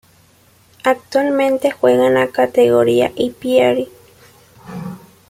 Actualmente juega en la Kategoria e Parë.